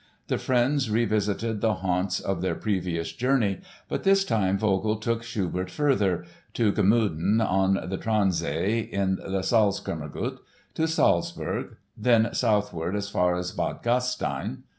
The friends revisited the haunts of their previous journey, but this time Vogl took Schubert further—to Gmunden, on the Traunsee in the Salzkammergut; to Salzburg; then southward as far as Bad Gastein.